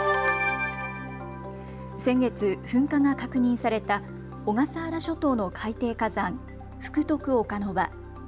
先月、噴火が確認された小笠原諸島の海底火山、福徳岡ノ場。